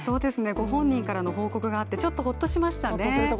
ご本人からの報告があってちょっとほっとしましたね。